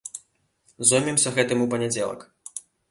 Зоймемся гэтым у панядзелак.